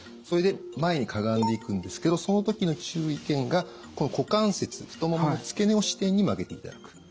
それで前にかがんでいくんですけどその時の注意点がこの股関節太ももの付け根を支点に曲げていただく。